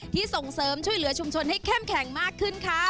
ส่งเสริมช่วยเหลือชุมชนให้เข้มแข็งมากขึ้นค่ะ